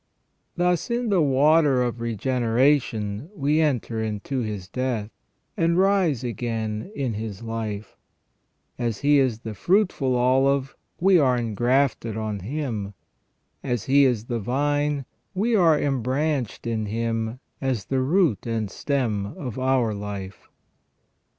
Thus in the water of regene ration we enter into His death, and rise again in His life : as He is the fruitful olive, we are engrafted on Him : as He is the vine, we are embranched in Him as the root and stem of our life.